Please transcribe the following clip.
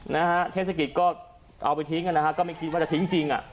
นะฮะเทศกิจก็เอาไปทิ้งนะฮะก็ไม่คิดว่าจะทิ้งจริงอ่ะ